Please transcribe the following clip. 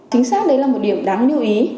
chính xác đấy là một điểm đáng lưu ý